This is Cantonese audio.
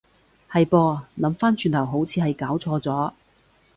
係噃，諗返轉頭好似係攪錯咗